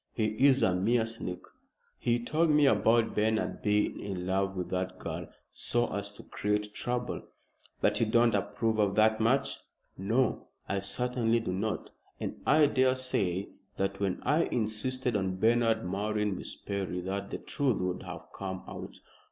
"He is a mean sneak. He told me about Bernard being in love with that girl so as to create trouble." "But you don't approve of the match?" "No, I certainly do not, and I daresay that when I insisted on Bernard marrying Miss Perry that the truth would have come out.